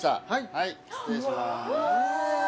はい失礼しますわあ